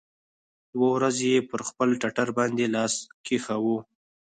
يوه ورځ يې پر خپل ټټر باندې لاس کښېښوو.